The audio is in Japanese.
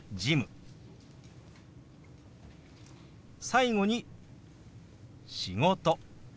最後に「仕事」。